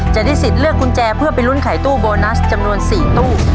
จะได้สิทธิ์เลือกกุญแจเพื่อไปลุ้นไขตู้โบนัสจำนวน๔ตู้